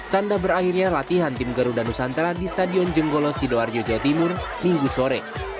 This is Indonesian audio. pada akhirnya latihan tim garuda nusantara di stadion jenggolo sidwarjo jawa timur minggu sore